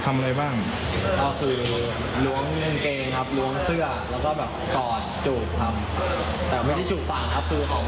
มุมตรงเดียวเลยครับ